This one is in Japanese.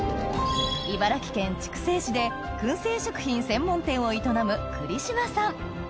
茨城県筑西市で燻製食品専門店を営む栗島さん